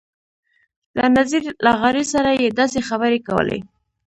له نذیر لغاري سره یې داسې خبرې کولې.